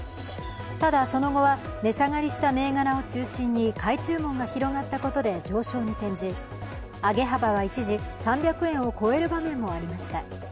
ただ、その後は値下がりした銘柄を中心に買い注文が広がったことで上昇に転じ、上げ幅は一時、３００円を超える場面もありました。